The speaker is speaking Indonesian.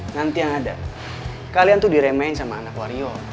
nanti yang ada kalian tuh diremehin sama anak wario